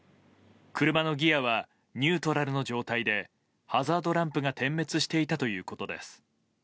車のギアはニュートラルの状態でハザードランプが点滅していたということです。